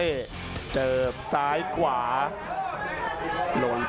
อัศวินาศาสตร์